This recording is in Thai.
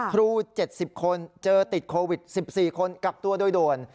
ครู๗๐คนเจอติดโควิด๑๔คนกักตัวโดยด่วน